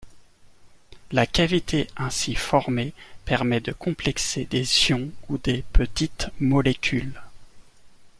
La cavité ainsi formée permet de complexer des ions ou des petites molécules.